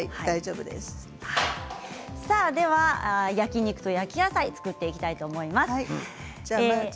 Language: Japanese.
では、焼き肉と焼き野菜を作っていきたいと思います。